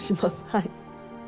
はい。